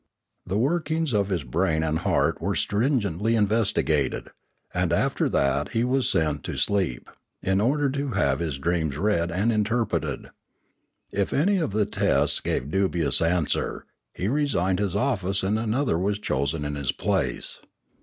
The workings of his brain and heart were stringently investigated, and after that he was sent to sleep, in order to have his dreams read and interpreted. If any of the tests gave dubious answer, he resigned his office and another was chosen in his place.